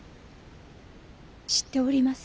知っております。